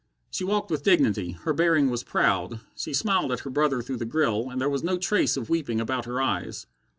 She walked with dignity, her bearing was proud, she smiled at her brother through the grill, and there was no trace of weeping about her eyes.